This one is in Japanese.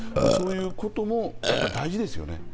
そういうことも大事ですよね。